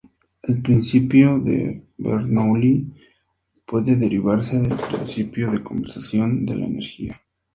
El principio de Bernoulli puede derivarse del principio de conservación de la energía.